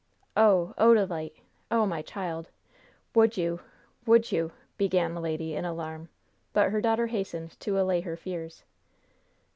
"Oh, Odalite! Oh, my child! Would you would you " began the lady, in alarm; but her daughter hastened to allay her fears.